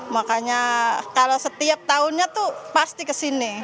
makanya kalau setiap tahunnya tuh pasti kesini